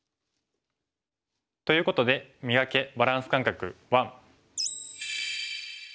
ということで「磨け！バランス感覚１」。